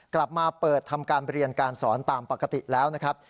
กลับมาเปิดทำการเรียนการสอนตามปกติแล้วนะครับ